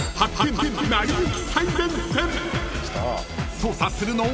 ［捜査するのは？］